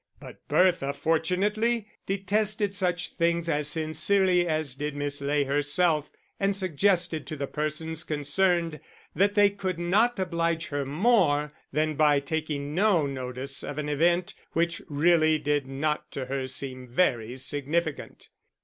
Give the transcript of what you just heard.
But Bertha fortunately detested such things as sincerely as did Miss Ley herself, and suggested to the persons concerned that they could not oblige her more than by taking no notice of an event which really did not to her seem very significant.